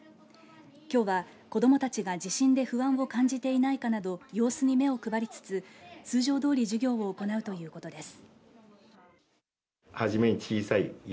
きょうは、子どもたちが地震で不安を感じていないかなど様子に目を配りつつ通常どおり授業を行うということです。